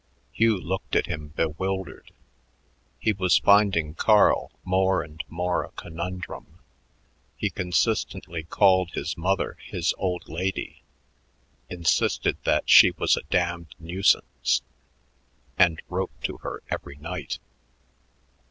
Hugh looked at him bewildered. He was finding Carl more and more a conundrum. He consistently called his mother his old lady, insisted that she was a damned nuisance and wrote to her every night.